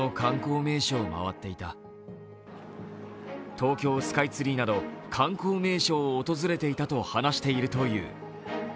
東京スカイツリーなど観光名所を訪れていたと話しているという。